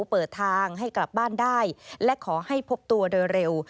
เปิดทางให้กลับบ้านได้และขอให้พบตัวโดยเร็ว